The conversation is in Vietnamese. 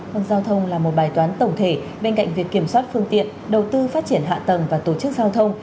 văn giao thông là một bài toán tổng thể bên cạnh việc kiểm soát phương tiện đầu tư phát triển hạ tầng và tổ chức giao thông